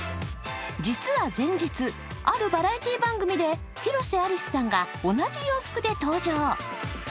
実は前日、あるバラエティー番組で広瀬アリスさんが同じ洋服で登場。